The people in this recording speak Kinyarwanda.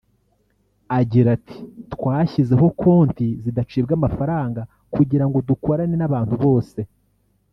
Agira ati “Twashyizeho konti zidacibwa amafaranga kugira ngo dukorane n’abantu bose